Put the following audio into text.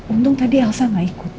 untung tadi elsa nggak ikut